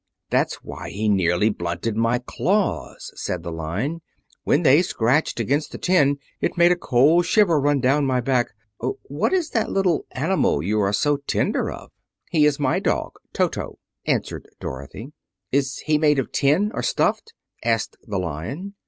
"That's why he nearly blunted my claws," said the Lion. "When they scratched against the tin it made a cold shiver run down my back. What is that little animal you are so tender of?" "He is my dog, Toto," answered Dorothy. "Is he made of tin, or stuffed?" asked the Lion.